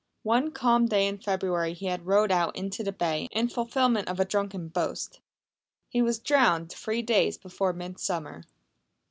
One calm day in February he had rowed out into the bay in fulfilment of a drunken boast. He was drowned three days before Midsummer.